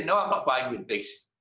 tidak saya tidak membeli with bigs